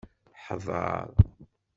Hḍeṛ.